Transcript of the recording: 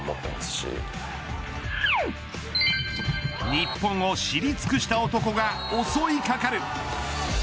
日本を知り尽くした男が襲いかかる。